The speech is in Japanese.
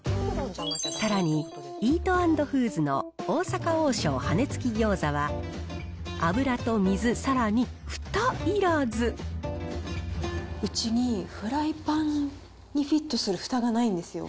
さらに、イートアンドフーズの大阪王将羽根つき餃子は、油と水、うちにフライパンにフィットするふたがないんですよ。